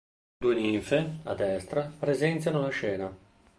Due ninfe, a destra, presenziano la scena.